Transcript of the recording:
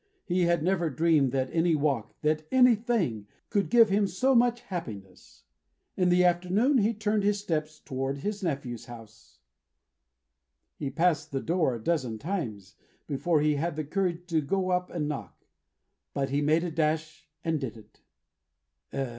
He had never dreamed that any walk that any thing could give him so much happiness. In the afternoon, he turned his steps toward his nephew's house. He passed the door a dozen times, before he had the courage to go up and knock. But he made a dash, and did it.